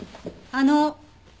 あの。